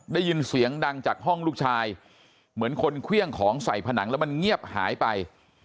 ได้ยินเสียงดังจากห้องลูกชายเหมือนคนเครื่องของใส่ผนังแล้วมันเงียบหายไป